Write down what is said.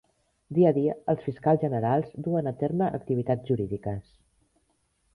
Dia a dia els fiscals generals duen a terme activitats jurídiques.